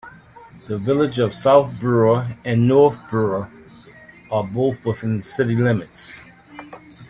The villages of South Brewer and North Brewer are both within city limits.